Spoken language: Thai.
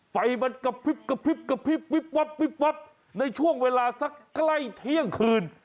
ไฟมันกระพริบในช่วงเวลาสักใกล้เที่ยงคืน